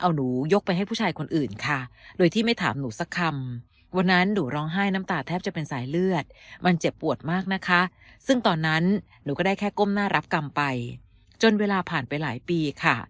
หนูก็ได้แค่ก้มหน้ารับกรรมไปจนเวลาผ่านไปหลายปีค่ะ